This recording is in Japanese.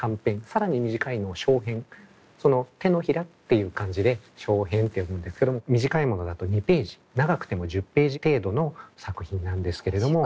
更に短いのを掌編その手のひらっていう感じで掌編って呼ぶんですけども短いものだと２ページ長くても１０ページ程度の作品なんですけれども。